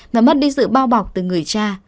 và mất đi sự bao bọc từ người cha